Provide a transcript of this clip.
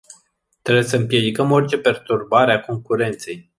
Trebuie să împiedicăm orice perturbare a concurenței.